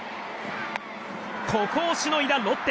ここをしのいだロッテ。